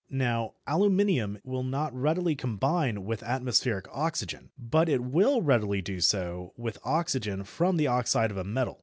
Now aluminium will not readily combine with atmospheric oxygen, but it will readily do so with oxygen from the oxide of a metal.